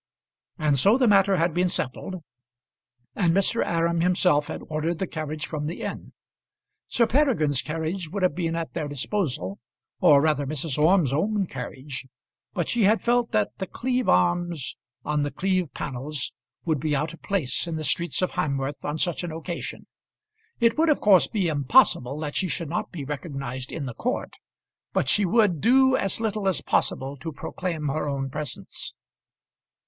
And so the matter had been settled, and Mr. Aram himself had ordered the carriage from the inn. Sir Peregrine's carriage would have been at their disposal, or rather Mrs. Orme's own carriage; but she had felt that The Cleeve arms on The Cleeve panels would be out of place in the streets of Hamworth on such an occasion. It would of course be impossible that she should not be recognised in the court, but she would do as little as possible to proclaim her own presence.